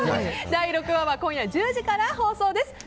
第６話は今夜１０時から放送です。